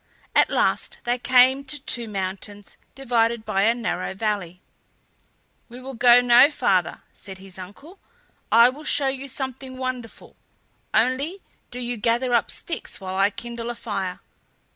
At last they came to two mountains divided by a narrow valley. "We will go no farther," said his uncle. "I will show you something wonderful; only do you gather up sticks while I kindle a fire."